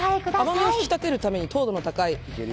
甘みを引き立てるために糖度の高い。